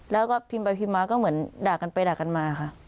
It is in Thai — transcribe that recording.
แล้วก็พิมพ์ไปพิมพ์มาก็เหมือนด่ากันไปด่ากันมาค่ะ